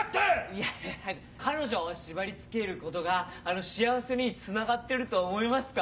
いや彼女を縛り付けることが幸せにつながってると思いますか？